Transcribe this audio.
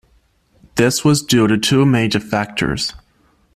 This was due to two major factors.